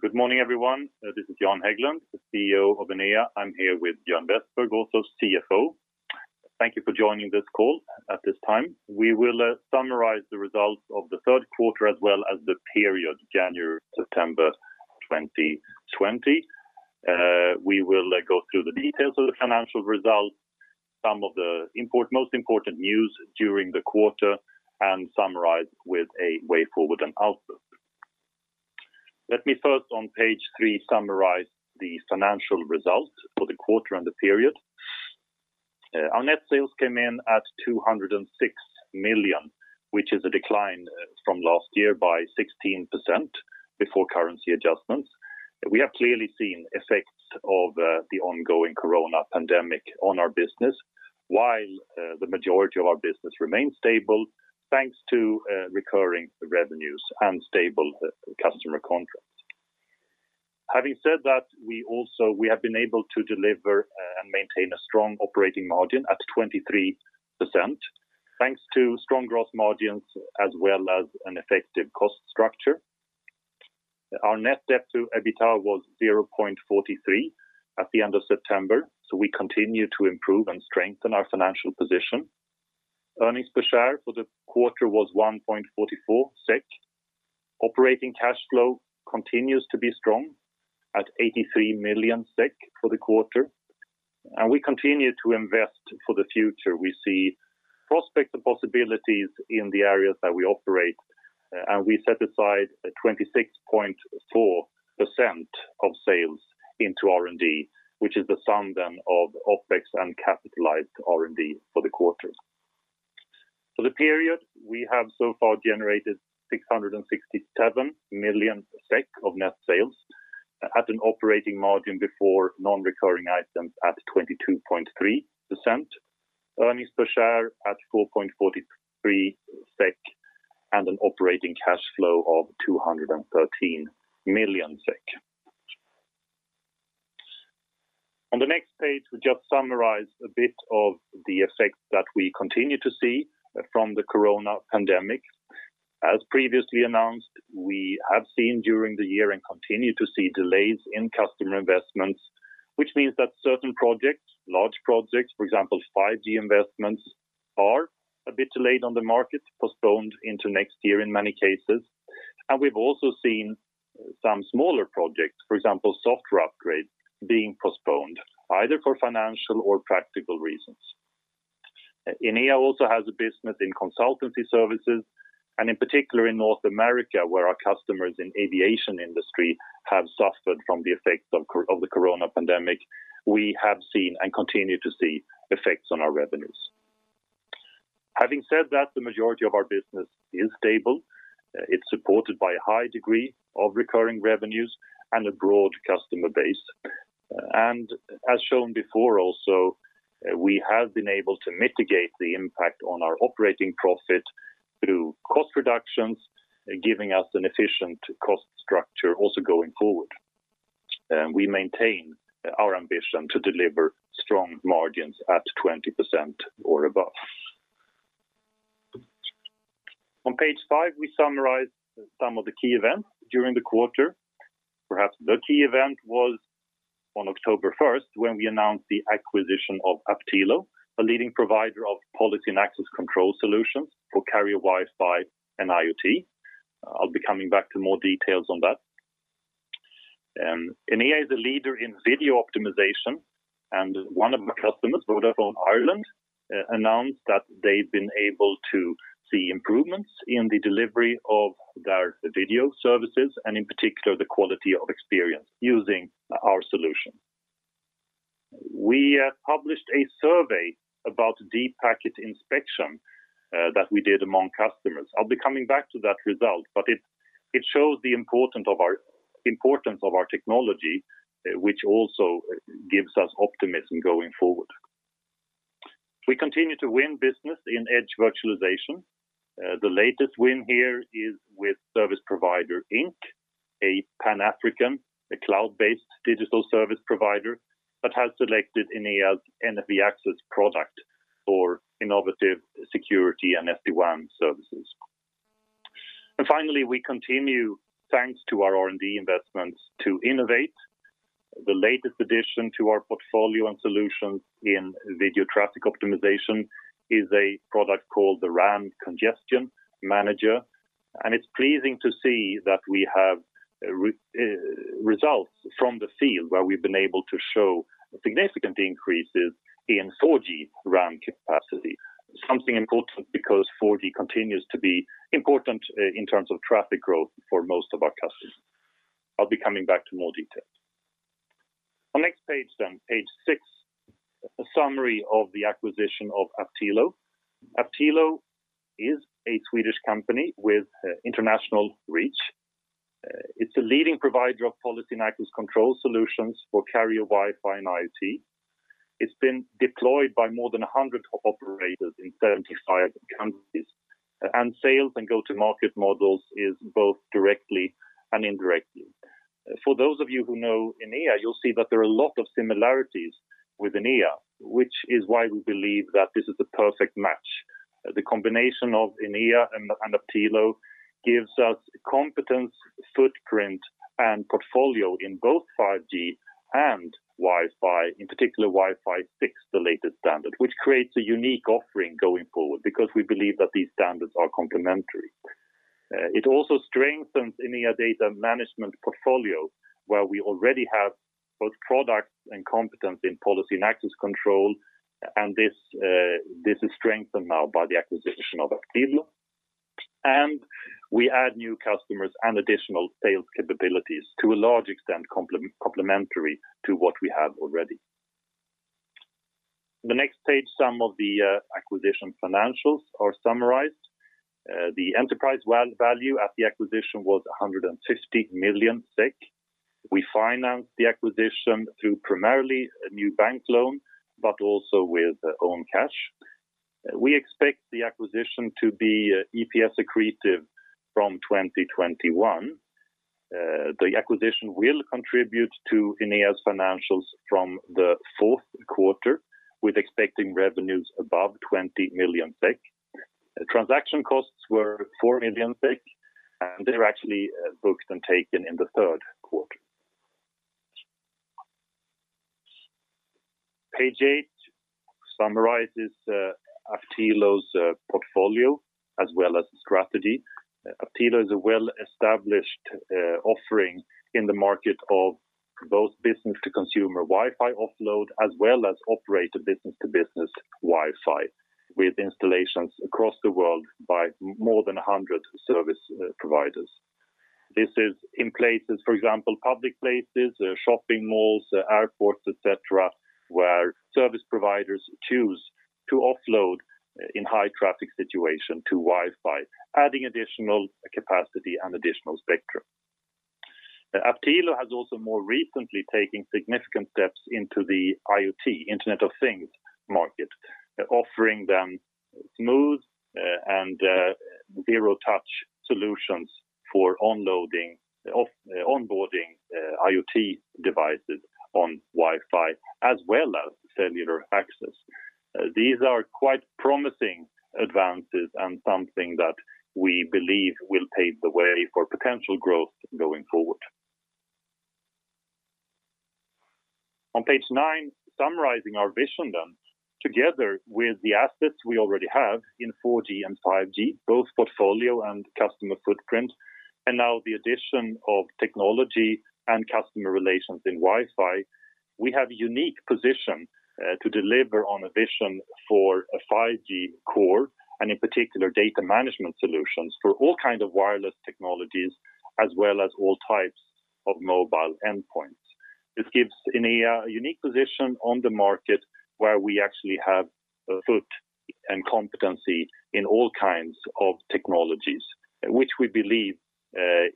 Good morning, everyone. This is Jan Häglund, the CEO of Enea. I'm here with Björn Westberg, also CFO. Thank you for joining this call at this time. We will summarize the results of the third quarter as well as the period January to September 2020. We will go through the details of the financial results, some of the most important news during the quarter, and summarize with a way forward and outlook. Let me first on page three summarize the financial results for the quarter and the period. Our net sales came in at 206 million, which is a decline from last year by 16% before currency adjustments. We have clearly seen effects of the ongoing Corona pandemic on our business. While the majority of our business remains stable, thanks to recurring revenues and stable customer contracts. Having said that, we have been able to deliver and maintain a strong operating margin at 23%, thanks to strong gross margins as well as an effective cost structure. Our net debt to EBITDA was 0.43 at the end of September. We continue to improve and strengthen our financial position. Earnings per share for the quarter was 1.44 SEK. Operating cash flow continues to be strong at 83 million SEK for the quarter. We continue to invest for the future. We see prospects and possibilities in the areas that we operate, and we set aside 26.4% of sales into R&D, which is the sum then of OpEx and capitalized R&D for the quarter. For the period, we have so far generated 667 million SEK of net sales at an operating margin before non-recurring items at 22.3%. Earnings per share at 4.43 SEK and an operating cash flow of 213 million SEK. On the next page, we just summarize a bit of the effects that we continue to see from the Corona pandemic. As previously announced, we have seen during the year and continue to see delays in customer investments. Certain projects, large projects, for example, 5G investments, are a bit delayed on the market, postponed into next year in many cases. We've also seen some smaller projects, for example, software upgrades, being postponed either for financial or practical reasons. Enea also has a business in consultancy services, and in particular in North America, where our customers in aviation industry have suffered from the effects of the Corona pandemic. We have seen and continue to see effects on our revenues. Having said that, the majority of our business is stable. It's supported by a high degree of recurring revenues and a broad customer base. As shown before also, we have been able to mitigate the impact on our operating profit through cost reductions, giving us an efficient cost structure also going forward. We maintain our ambition to deliver strong margins at 20% or above. On page five, we summarize some of the key events during the quarter. Perhaps the key event was on October 1st when we announced the acquisition of Aptilo, a leading provider of policy and access control solutions for carrier Wi-Fi and IoT. I'll be coming back to more details on that. Enea is a leader in video optimization, and one of my customers, Vodafone Ireland, announced that they've been able to see improvements in the delivery of their video services, and in particular, the quality of experience using our solution. We published a survey about deep packet inspection that we did among customers. I'll be coming back to that result, but it shows the importance of our technology, which also gives us optimism going forward. We continue to win business in edge virtualization. The latest win here is with Service Provider Inc, a Pan-African cloud-based digital service provider that has selected Enea's NFV Access product for innovative security and SD-WAN services. Finally, we continue, thanks to our R&D investments, to innovate. The latest addition to our portfolio and solutions in video traffic optimization is a product called the RAN Congestion Manager. It's pleasing to see that we have results from the field where we've been able to show significant increases in 4G RAN capacity. Something important because 4G continues to be important in terms of traffic growth for most of our customers. I'll be coming back to more details. On next page six, a summary of the acquisition of Aptilo. Aptilo is a Swedish company with international reach. It's a leading provider of policy and access control solutions for carrier Wi-Fi and IoT. It's been deployed by more than 100 top operators in 75 countries, and sales and go-to-market models is both directly and indirectly. For those of you who know Enea, you'll see that there are a lot of similarities with Enea, which is why we believe that this is a perfect match. The combination of Enea and Aptilo gives us competence, footprint, and portfolio in both 5G and Wi-Fi, in particular Wi-Fi 6, the latest standard, which creates a unique offering going forward because we believe that these standards are complementary. It also strengthens Enea data management portfolio where we already have both products and competence in policy and access control. This is strengthened now by the acquisition of Aptilo. We add new customers and additional sales capabilities to a large extent complementary to what we have already. The next page, some of the acquisition financials are summarized. The enterprise value at the acquisition was 150 million. We financed the acquisition through primarily a new bank loan, but also with own cash. We expect the acquisition to be EPS accretive from 2021. The acquisition will contribute to Enea's financials from the fourth quarter with expecting revenues above 20 million SEK. Transaction costs were 4 million SEK. They were actually booked and taken in the third quarter. Page eight summarizes Aptilo's portfolio as well as strategy. Aptilo is a well-established offering in the market of both business to consumer Wi-Fi offload, as well as operator business to business Wi-Fi with installations across the world by more than 100 service providers. This is in places, for example, public places, shopping malls, airports, et cetera, where service providers choose to offload in high traffic situation to Wi-Fi, adding additional capacity and additional spectrum. Aptilo has also more recently taken significant steps into the IoT, Internet of Things market, offering them smooth and zero-touch solutions for onboarding IoT devices on Wi-Fi as well as cellular access. These are quite promising advances and something that we believe will pave the way for potential growth going forward. On page nine, summarizing our vision then, together with the assets we already have in 4G and 5G, both portfolio and customer footprint, and now the addition of technology and customer relations in Wi-Fi, we have a unique position to deliver on a vision for a 5G core and in particular, data management solutions for all kind of wireless technologies as well as all types of mobile endpoints. This gives Enea a unique position on the market where we actually have a foot and competency in all kinds of technologies, which we believe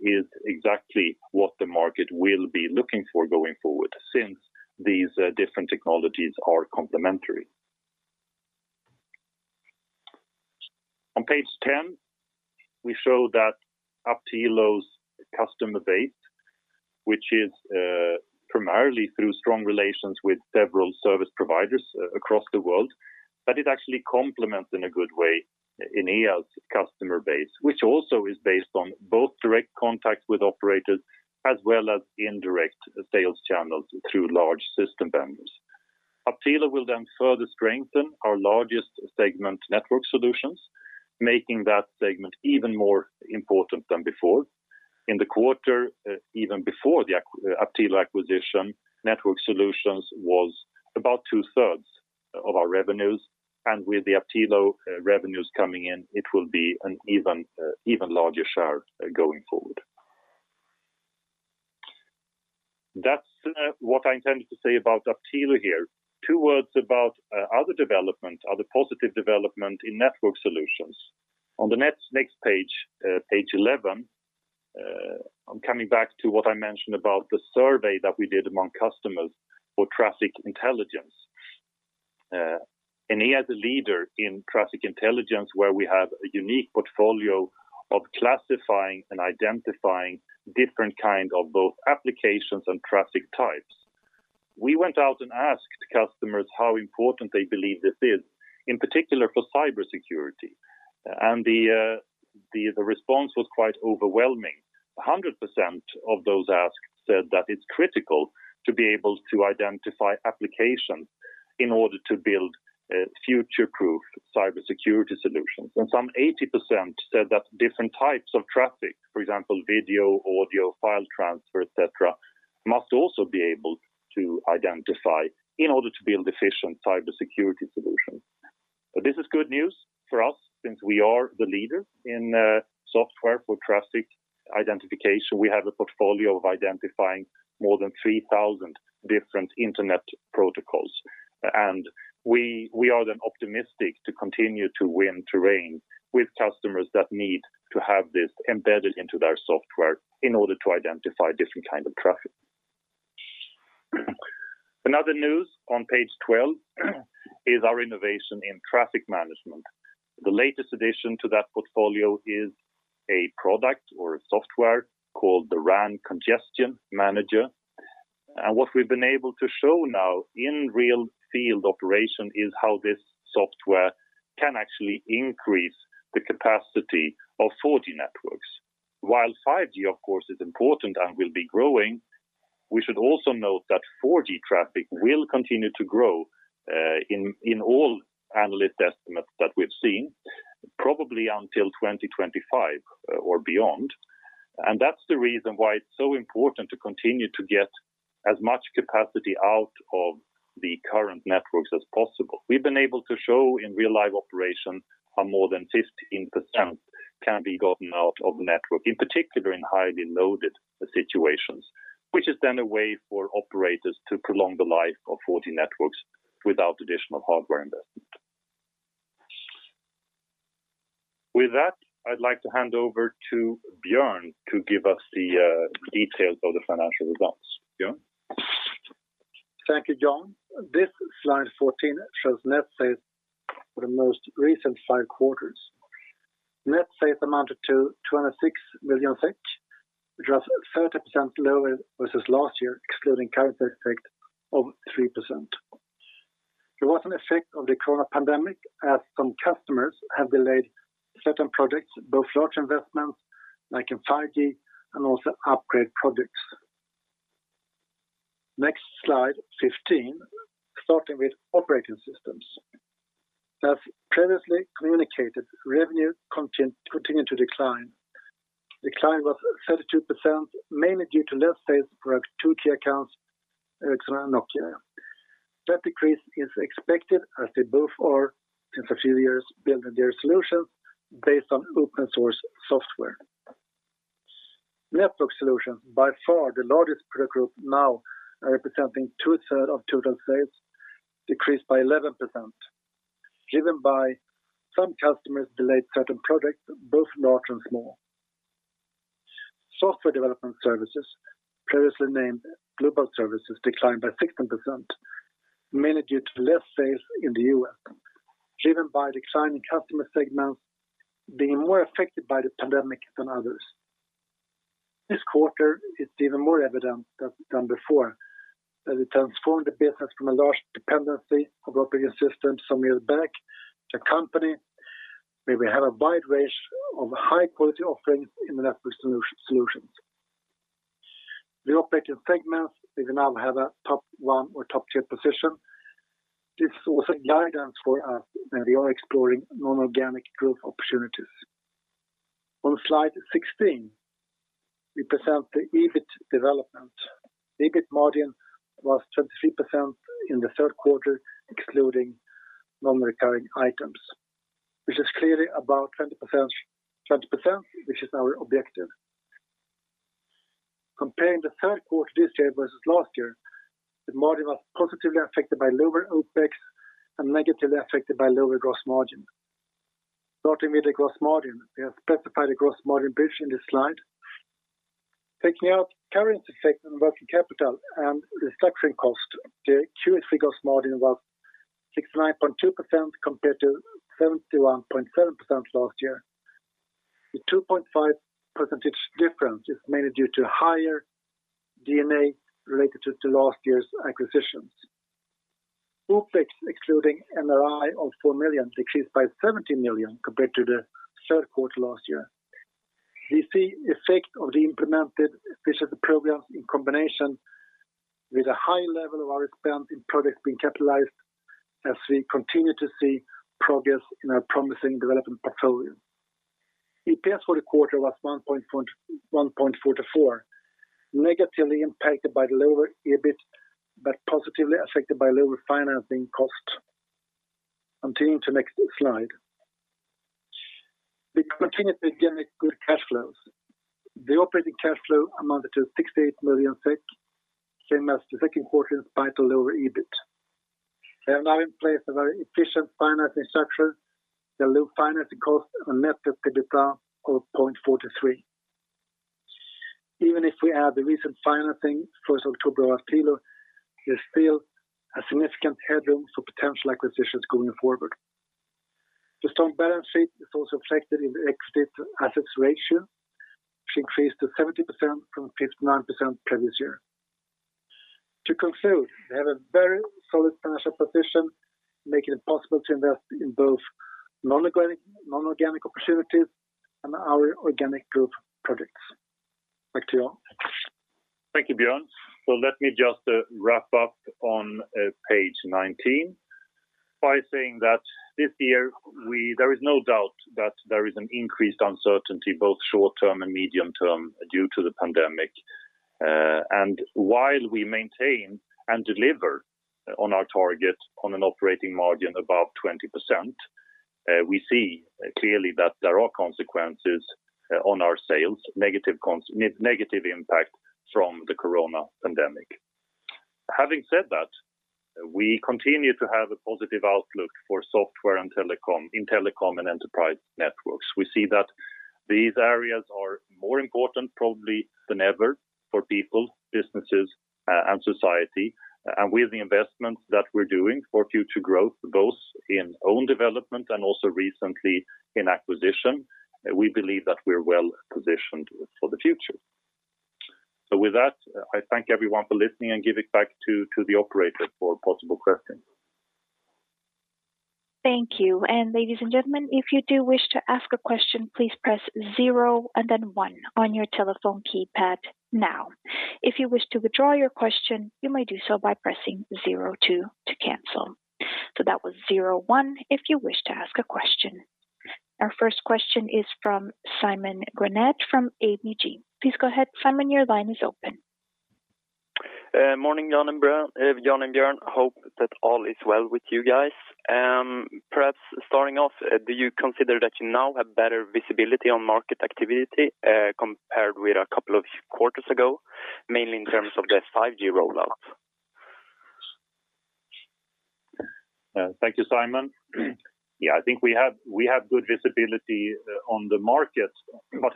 is exactly what the market will be looking for going forward, since these different technologies are complementary. On page 10, we show that Aptilo's customer base, which is primarily through strong relations with several service providers across the world, that it actually complements in a good way Enea's customer base, which also is based on both direct contact with operators as well as indirect sales channels through large system vendors. Aptilo will further strengthen our largest segment network solutions, making that segment even more important than before. In the quarter, even before the Aptilo acquisition, network solutions was about two-thirds of our revenues, and with the Aptilo revenues coming in, it will be an even larger share going forward. That's what I intended to say about Aptilo here. Two words about other development, other positive development in network solutions. On the next page 11, I'm coming back to what I mentioned about the survey that we did among customers for traffic intelligence. Enea is a leader in traffic intelligence, where we have a unique portfolio of classifying and identifying different kind of both applications and traffic types. We went out and asked customers how important they believe this is, in particular for cybersecurity. The response was quite overwhelming. 100% of those asked said that it's critical to be able to identify applications in order to build future-proof cybersecurity solutions. Some 80% said that different types of traffic, for example, video, audio, file transfer, et cetera, must also be able to identify in order to build efficient cybersecurity solutions. This is good news for us since we are the leader in software for traffic identification. We have a portfolio of identifying more than 3,000 different internet protocols. We are then optimistic to continue to win terrain with customers that need to have this embedded into their software in order to identify different kind of traffic. Another news on page 12 is our innovation in traffic management. The latest addition to that portfolio is a product or a software called the RAN Congestion Manager. What we've been able to show now in real field operation is how this software can actually increase the capacity of 4G networks. While 5G, of course, is important and will be growing, we should also note that 4G traffic will continue to grow, in all analyst estimates that we've seen, probably until 2025 or beyond. That's the reason why it's so important to continue to get as much capacity out of the current networks as possible. We've been able to show in real live operation how more than 15% can be gotten out of the network, in particular in highly loaded situations. Which is a way for operators to prolong the life of 4G networks without additional hardware investment. With that, I'd like to hand over to Björn to give us the details of the financial results. Björn? Thank you, Jan. This slide 14 shows net sales for the most recent five quarters. Net sales amounted to 206 million, which was 30% lower versus last year, excluding currency effect of 3%. There was an effect of the COVID pandemic, as some customers have delayed certain projects, both large investments like in 5G and also upgrade projects. Next slide 15, starting with operating systems. As previously communicated, revenue continued to decline. Decline was 32%, mainly due to less sales for our two key accounts, Ericsson and Nokia. That decrease is expected as they both are in the past few years building their solutions based on open source software. Network solution, by far the largest product group now representing 2/3 of total sales, decreased by 11%, driven by some customers delayed certain products, both large and small. Software development services, previously named Global Services, declined by 16%, mainly due to less sales in the U.S., driven by declining customer segments being more affected by the pandemic than others. This quarter, it's even more evident than before that we transformed the business from a large dependency of operating systems some years back to a company where we have a wide range of high-quality offerings in the network solutions. The operating segments, we now have a top one or top tier position. This is also a guidance for us as we are exploring non-organic growth opportunities. On slide 16, we present the EBIT development. EBIT margin was 23% in the third quarter, excluding non-recurring items, which is clearly above 20%, which is our objective. Comparing the third quarter this year versus last year, the margin was positively affected by lower OpEx and negatively affected by lower gross margin. Starting with the gross margin, we have specified a gross margin bridge in this slide. Taking out currency effect on working capital and restructuring cost, the Q3 gross margin was 69.2% compared to 71.7% last year. The 2.5% difference is mainly due to higher D&A related to last year's acquisitions. OpEx excluding NRI of 4 million decreased by 17 million compared to the third quarter last year. We see effect of the implemented efficiency programs in combination with a high level of our expense in products being capitalized as we continue to see progress in our promising development portfolio. EPS for the quarter was 1.44, negatively impacted by the lower EBIT, but positively affected by lower financing costs. Continuing to next slide. We continue to generate good cash flows. The operating cash flow amounted to 68 million SEK, same as the second quarter despite the lower EBIT. We have now in place a very efficient financing structure that lower financing costs and a net debt to EBITDA of 0.43. Even if we add the recent financing, 1st October last year, we still have significant headroom for potential acquisitions going forward. The strong balance sheet is also reflected in the equity to assets ratio, which increased to 70% from 59% previous year. To conclude, we have a very solid financial position, making it possible to invest in both non-organic opportunities and our organic growth projects. Back to you, Jan. Thank you, Björn. Let me just wrap up on page 19 by saying that this year there is no doubt that there is an increased uncertainty, both short-term and medium-term, due to the pandemic. While we maintain and deliver on our target on an operating margin above 20%, we see clearly that there are consequences on our sales, negative impact from the coronavirus pandemic. Having said that, we continue to have a positive outlook for software in telecom and enterprise networks. We see that these areas are more important probably than ever for people, businesses, and society. With the investments that we're doing for future growth, both in own development and also recently in acquisition, we believe that we're well-positioned for the future. With that, I thank everyone for listening and give it back to the operator for possible questions. Thank you. Ladies and gentlemen, if you do wish to ask a question, please press zero and then one on your telephone keypad now. If you wish to withdraw your question, you may do so by pressing zero two to cancel. That was zero one if you wish to ask a question. Our first question is from Simon Granath from ABG. Please go ahead, Simon, your line is open. Morning, Jan and Björn. Hope that all is well with you guys. Perhaps starting off, do you consider that you now have better visibility on market activity compared with a couple of quarters ago, mainly in terms of the 5G rollout? Thank you, Simon Granath. I think we have good visibility on the market.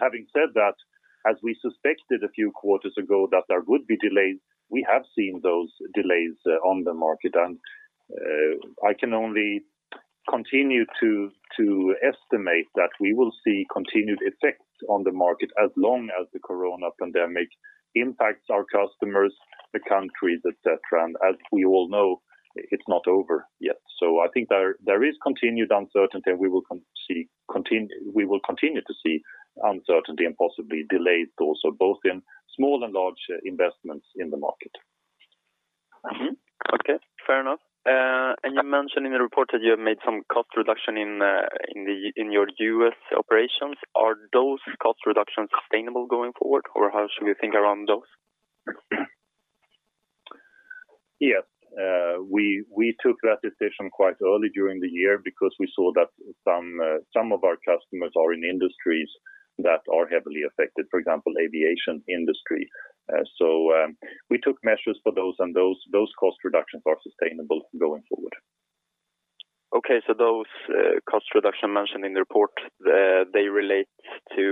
Having said that, as we suspected a few quarters ago that there would be delays, we have seen those delays on the market. I can only continue to estimate that we will see continued effects on the market as long as the coronavirus pandemic impacts our customers, the countries, et cetera. As we all know, it's not over yet. I think there is continued uncertainty and we will continue to see uncertainty and possibly delays also both in small and large investments in the market. Okay, fair enough. You mentioned in the report that you have made some cost reduction in your U.S. operations. Are those cost reductions sustainable going forward, or how should we think around those? Yes. We took that decision quite early during the year because we saw that some of our customers are in industries that are heavily affected, for example, aviation industry. We took measures for those, and those cost reductions are sustainable going forward. Okay, those cost reductions mentioned in the report, they relate to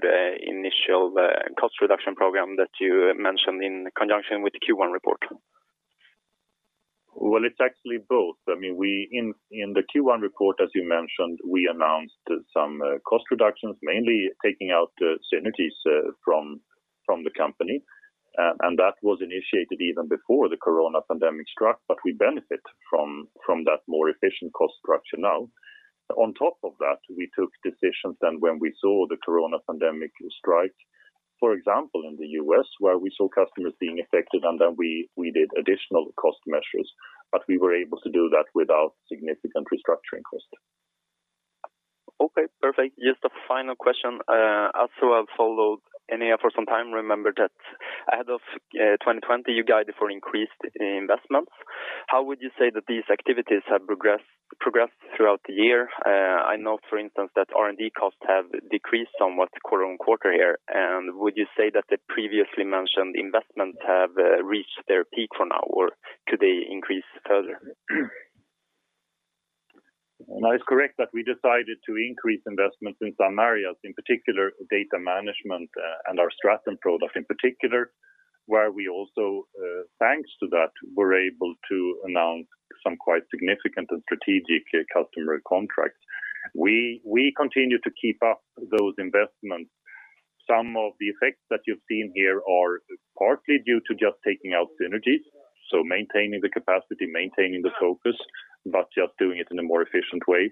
the initial cost reduction program that you mentioned in conjunction with the Q1 report? Well, it's actually both. In the Q1 report, as you mentioned, we announced some cost reductions, mainly taking out synergies from the company. That was initiated even before the coronavirus pandemic struck, but we benefit from that more efficient cost structure now. On top of that, we took decisions then when we saw the coronavirus pandemic strike. For example, in the U.S., where we saw customers being affected, and then we did additional cost measures. We were able to do that without significant restructuring costs. Okay, perfect. Just a final question. I've followed Enea for some time, remember that ahead of 2020, you guided for increased investments. How would you say that these activities have progressed throughout the year? I know, for instance, that R&D costs have decreased somewhat quarter-on-quarter here. Would you say that the previously mentioned investments have reached their peak for now, or could they increase further? No, it's correct that we decided to increase investments in some areas, in particular data management and our Stratum product in particular, where we also, thanks to that, were able to announce some quite significant and strategic customer contracts. We continue to keep up those investments. Some of the effects that you've seen here are partly due to just taking out synergies, so maintaining the capacity, maintaining the focus, but just doing it in a more efficient way.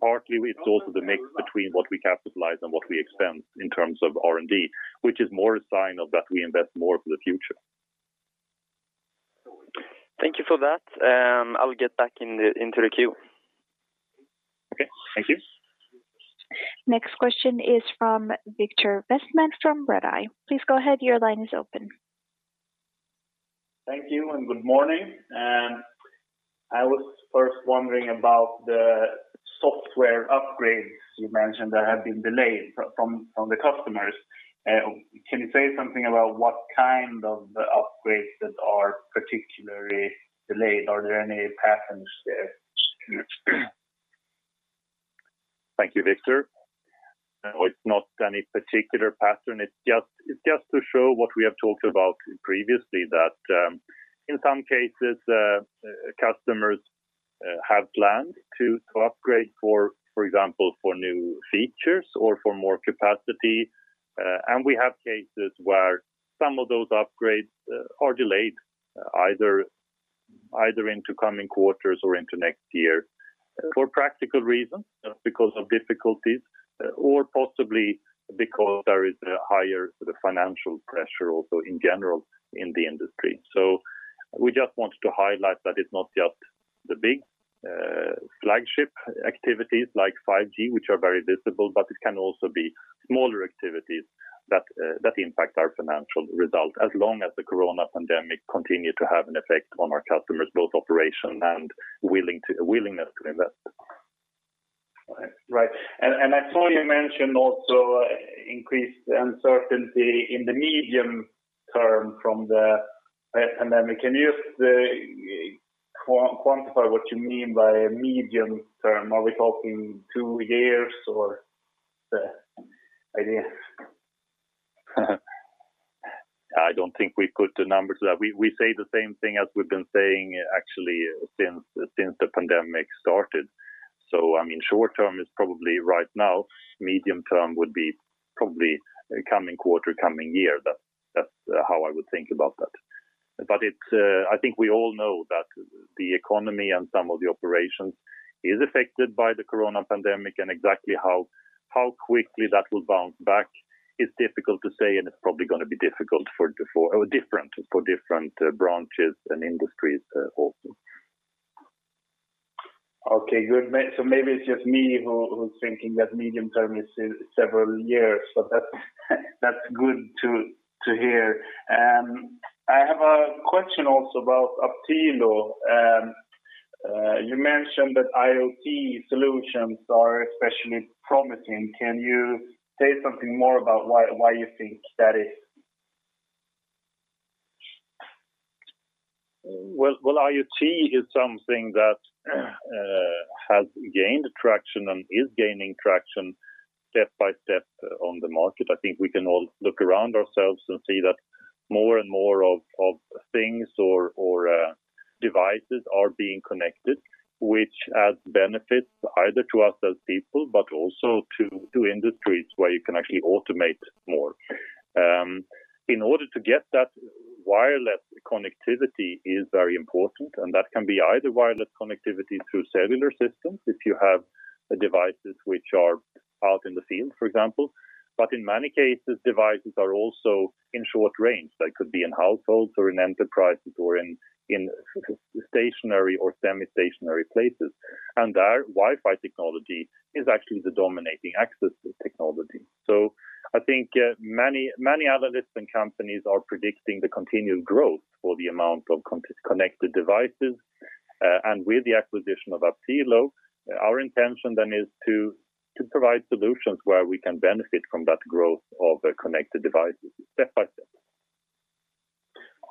Partly, it's also the mix between what we capitalize and what we expense in terms of R&D, which is more a sign of that we invest more for the future. Thank you for that. I will get back into the queue. Okay. Thank you. Next question is from Viktor Westman from Redeye. Please go ahead, your line is open. Thank you and good morning. I was first wondering about the software upgrades you mentioned that have been delayed from the customers. Can you say something about what kind of upgrades that are particularly delayed? Are there any patterns there? Thank you, Viktor. No, it's not any particular pattern. It's just to show what we have talked about previously, that in some cases, customers have planned to upgrade, for example, for new features or for more capacity. We have cases where some of those upgrades are delayed either into coming quarters or into next year for practical reasons because of difficulties, or possibly because there is a higher financial pressure also in general in the industry. We just wanted to highlight that it's not just the big flagship activities like 5G, which are very visible, but it can also be smaller activities that impact our financial results as long as the coronavirus pandemic continue to have an effect on our customers, both operation and willingness to invest. Right. I saw you mentioned also increased uncertainty in the medium term from the pandemic. Can you quantify what you mean by medium term? Are we talking two years or any idea? I don't think we put the numbers there. We say the same thing as we've been saying actually since the pandemic started. Short term is probably right now. Medium term would be probably coming quarter, coming year. That's how I would think about that. I think we all know that the economy and some of the operations is affected by the corona pandemic and exactly how quickly that will bounce back is difficult to say, and it's probably going to be different for different branches and industries also. Okay, good. Maybe it's just me who's thinking that medium term is several years, but that's good to hear. I have a question also about Aptilo. You mentioned that IoT solutions are especially promising. Can you say something more about why you think that is? Well, IoT is something that has gained traction and is gaining traction step by step on the market. I think we can all look around ourselves and see that more and more of things or devices are being connected, which adds benefits either to us as people, but also to industries where you can actually automate more. In order to get that, wireless connectivity is very important, and that can be either wireless connectivity through cellular systems if you have devices which are out in the field, for example. In many cases, devices are also in short range. They could be in households or in enterprises or in stationary or semi-stationary places. There, Wi-Fi technology is actually the dominating access technology. I think many analysts and companies are predicting the continued growth for the amount of connected devices. With the acquisition of Aptilo, our intention then is to provide solutions where we can benefit from that growth of connected devices step by step.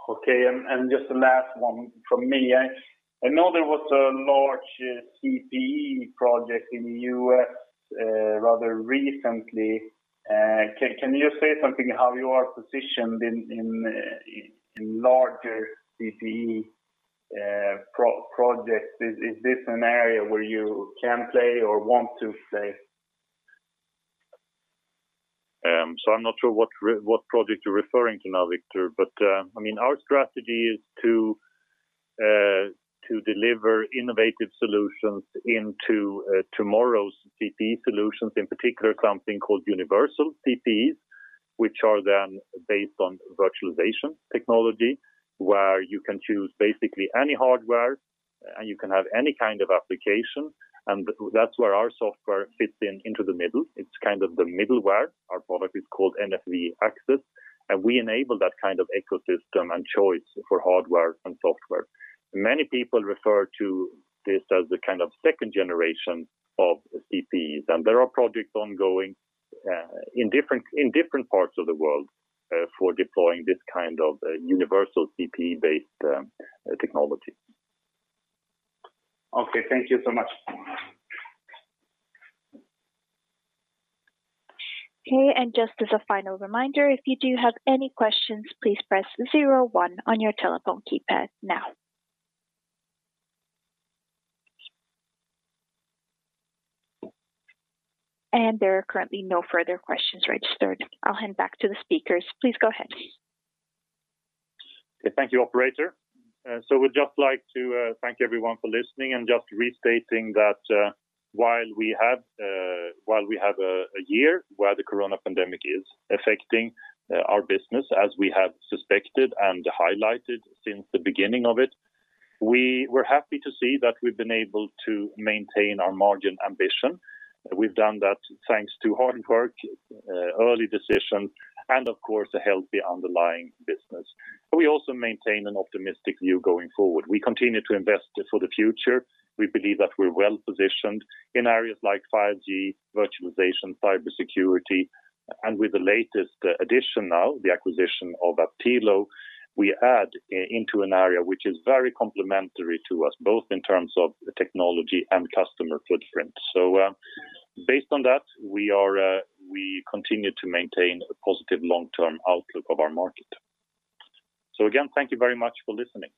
Okay, just the last one from me. I know there was a large CPE project in the U.S. rather recently. Can you say something how you are positioned in larger CPE projects? Is this an area where you can play or want to play? I'm not sure what project you're referring to now, Viktor, but our strategy is to deliver innovative solutions into tomorrow's CPE solutions, in particular, something called universal CPEs, which are then based on virtualization technology, where you can choose basically any hardware and you can have any kind of application. That's where our software fits in into the middle. It's kind of the middleware. Our product is called NFV Access, we enable that kind of ecosystem and choice for hardware and software. Many people refer to this as the kind of second generation of CPEs, there are projects ongoing in different parts of the world for deploying this kind of universal CPE-based technology. Okay. Thank you so much. Okay, just as a final reminder, if you do have any questions, please press zero one on your telephone keypad now. There are currently no further questions registered. I'll hand back to the speakers. Please go ahead. Thank you, operator. We'd just like to thank everyone for listening and just restating that while we have a year where the corona pandemic is affecting our business as we have suspected and highlighted since the beginning of it, we're happy to see that we've been able to maintain our margin ambition. We've done that thanks to hard work, early decisions, and of course, a healthy underlying business. We also maintain an optimistic view going forward. We continue to invest for the future. We believe that we're well-positioned in areas like 5G, virtualization, cybersecurity, and with the latest addition now, the acquisition of Aptilo, we add into an area which is very complementary to us, both in terms of technology and customer footprint. Based on that, we continue to maintain a positive long-term outlook of our market. Again, thank you very much for listening.